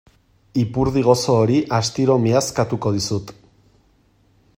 Ipurdi gozo hori astiro miazkatuko dizut.